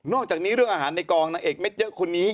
อกจากนี้เรื่องอาหารในกองนางเอกเม็ดเยอะคนนี้